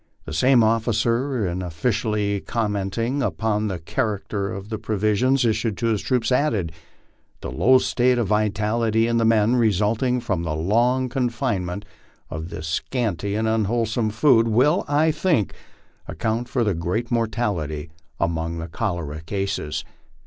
The same officer, in officially commenting upon the character of the provisions issued to the troops, added :" The low state of vitality in the men, resulting from the long confinement to this scanty and unwholesome food, will, I think, account for the great mortality among the cholera cases